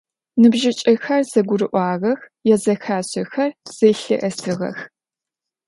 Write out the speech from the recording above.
Ныбжьыкӏэхэр зэгурыӏуагъэх, язэхашӏэхэр зэлъыӏэсыгъэх.